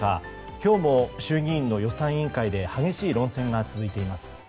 今日も衆議院の予算委員会で激しい論戦が続いています。